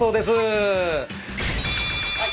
はい。